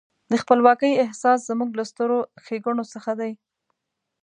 د خپلواکۍ احساس زموږ له سترو ښېګڼو څخه دی.